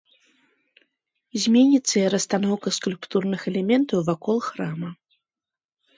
Зменіцца і расстаноўка скульптурных элементаў вакол храма.